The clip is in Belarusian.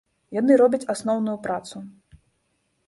Яны робяць асноўную працу.